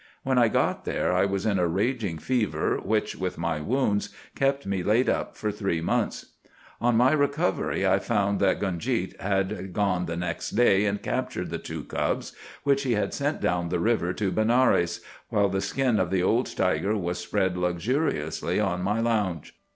When I got there I was in a raging fever which, with my wounds, kept me laid up for three months. "'On my recovery I found that Gunjeet had gone the next day and captured the two cubs, which he had sent down the river to Benares, while the skin of the old tiger was spread luxuriously on my lounge.